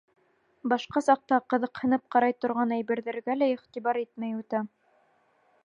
Башҡа саҡта ҡыҙыҡһынып ҡарай торған әйберҙәргә лә иғтибар итмәй үтә.